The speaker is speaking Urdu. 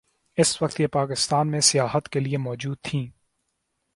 اس وقت یہ پاکستان میں سیاحت کے لیئے موجود تھیں۔